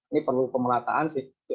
ini perlu pemelataan sih